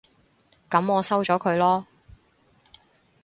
噉我收咗佢囉